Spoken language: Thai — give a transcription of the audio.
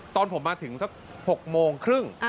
ตอนผมมาถึงสัก๖โมงครึ่ง